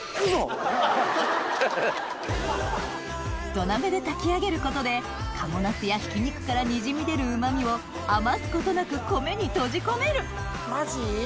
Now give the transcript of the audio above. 土鍋で炊き上げることで賀茂なすやひき肉からにじみ出るうまみを余すことなく米に閉じ込めるマジ？